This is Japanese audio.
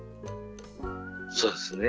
そうですね。